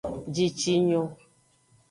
Jicinyo.